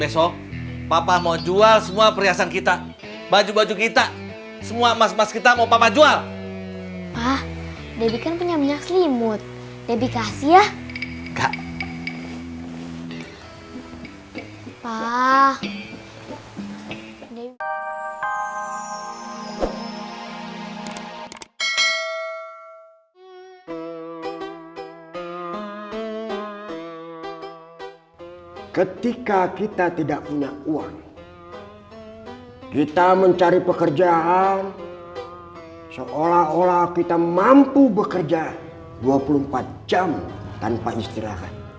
sampai jumpa di video selanjutnya